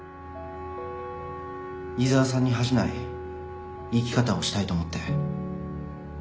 井沢さんに恥じない生き方をしたいと思って。